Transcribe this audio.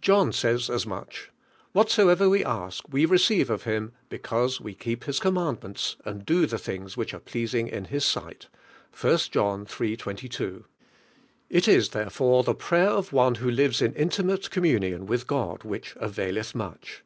John says as much: "Whatsoever we ask, we re ceive of Him, because we keep His com mandments, and do the things which are pleasing in His sight'' | I. John iii. 22), li is Ihorefore the prayer of one who lives in intimate communion with Sod which "avail' lli much."